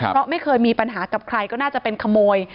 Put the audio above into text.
เพราะไม่เคยมีปัญหากับใครก็น่าจะเป็นขโมย